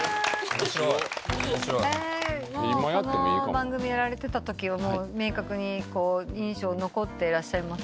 この番組やられてたときは明確に印象残ってらっしゃいますか？